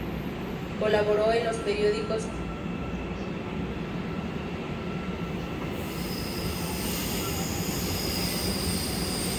Colaboró en los periódicos "Novedades" y "El Universal", en las revistas "¡Siempre!